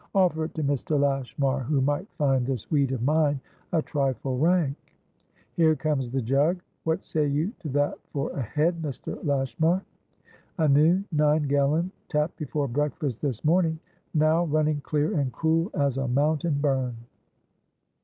Offer it to Mr. Lashmar, who might find this weed of mine a trifle rank. Here comes the jug. What say you to that for a head, Mr. Lashmar? A new nine gallon, tapped before breakfast this morning, now running clear and cool as a mountain burn.